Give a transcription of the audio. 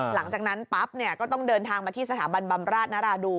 หลังจากนั้นปั๊บเนี่ยก็ต้องเดินทางมาที่สถาบันบำราชนราดูน